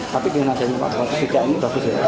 tapi dengan asli ini pasusnya ini pasus ya